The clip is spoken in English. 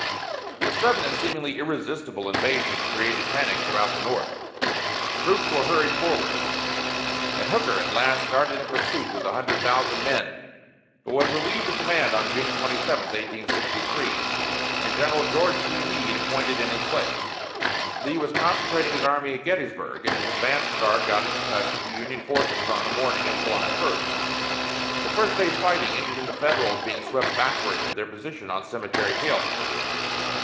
This sudden and seemingly irresistible invasion created panic throughout the North. Troops were hurried forward, and Hooker at last started in pursuit with a hundred thousand men, but was relieved of command on June 27, 1863, and General George G. Meade appointed in his place. Lee was concentrating his army at Gettysburg, and his advance guard got into touch with the Union forces on the morning of July 1. The first day's fighting ended in the Federals being swept backward to their position on Cemetery Hill.